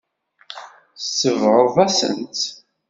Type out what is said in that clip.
Tsebɣeḍ-asen-tt.